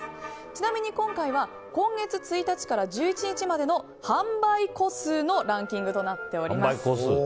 ちなみに今回は今月１日から１１日までの販売個数のランキングとなっています。